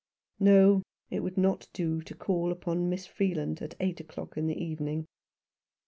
No, it would not do to call upon Miss Freeland at eight o'clock in the evening.